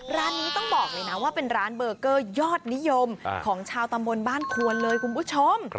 ร้านนี้ต้องบอกเลยนะว่าเป็นร้านเบอร์เกอร์ยอดนิยมของชาวตำบลบ้านควรเลยคุณผู้ชม